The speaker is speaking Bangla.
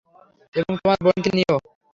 এবং তোমার বোনকে নিয়েও।